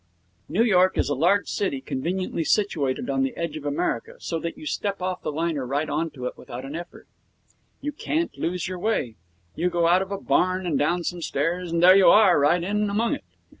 New York is a large city conveniently situated on the edge of America, so that you step off the liner right on to it without an effort. You can't lose your way. You go out of a barn and down some stairs, and there you are, right in among it.